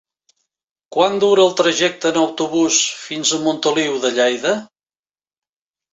Quant dura el trajecte en autobús fins a Montoliu de Lleida?